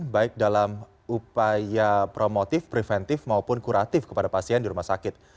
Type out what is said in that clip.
baik dalam upaya promotif preventif maupun kuratif kepada pasien di rumah sakit